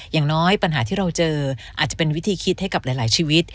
อย่างน้อยปัญหาที่เราเจออาจจะเป็นวิธีคิดให้กับหลายชีวิต